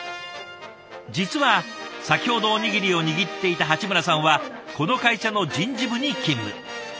実は先ほどおにぎりを握っていた鉢村さんはこの会社の人事部に勤務。